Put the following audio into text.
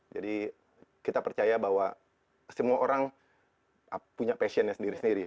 jadi kita percaya bahwa semua orang punya passionnya sendiri sendiri